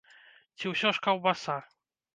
Ці ўсё ж каўбаса?